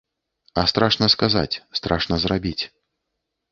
А страшна сказаць, страшна зрабіць.